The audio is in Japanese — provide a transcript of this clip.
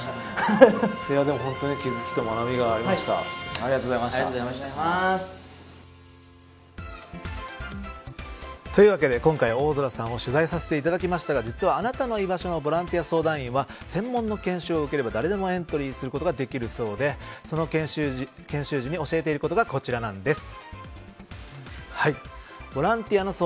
大空さんが目指す理想の未来とは。というわけで今回、大空さんを取材させていただきましたが実は、あなたのいばしょボランティア相談員は専門の研修を受ければ誰でもエントリーすることができるそうでその研修時に教えていることがこちらなんです。